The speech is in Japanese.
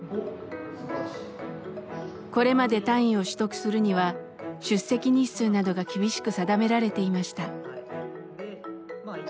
これまで単位を取得するには出席日数などが厳しく定められていました。